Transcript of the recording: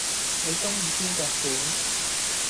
你鍾意邊隻款